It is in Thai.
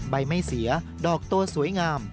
ใบไม่เสียดอกโตสวยงาม